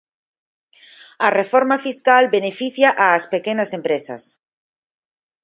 A reforma fiscal beneficia ás pequenas empresas.